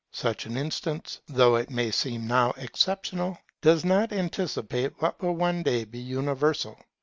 Such an instance, though it may seem now exceptional, does but anticipate what will one day be universal.